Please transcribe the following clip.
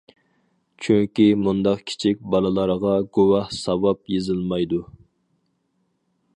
چۈنكى مۇنداق كىچىك بالىلارغا گۇناھ-ساۋاب يېزىلمايدۇ.